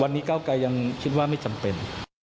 วันนี้เก้าไกรยังคิดว่าไม่จำเป็น